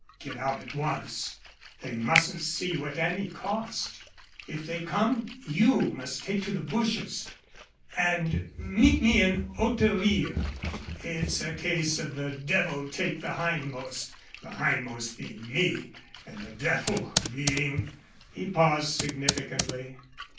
"Get out at once. They mustn't see you at any cost. If they come you must take to the bushes, and meet me in Hauterire. It's a case of the devil take the hindmost the hindmost being me and the devil being " he paused significantly.